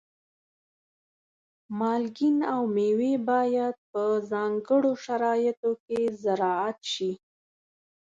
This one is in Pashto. مالګین او مېوې باید په ځانګړو شرایطو کې زراعت شي.